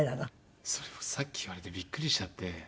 それをさっき言われてビックリしちゃって。